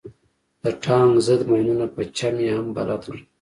د ټانک ضد ماينونو په چم يې هم بلد کړم.